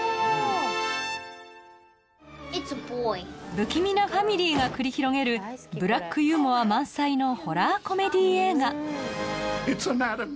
不気味なファミリーが繰り広げるブラックユーモア満載のホラーコメディー映画Ｉｔ